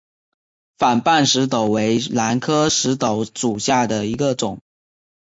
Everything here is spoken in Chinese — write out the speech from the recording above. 反瓣石斛为兰科石斛属下的一个种。